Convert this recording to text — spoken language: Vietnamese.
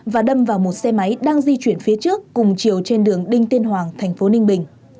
và đâm vào một xe máy đang di chuyển phía trước cùng chiều trên đường đinh tiên hoàng thành phố ninh bình